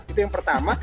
itu yang pertama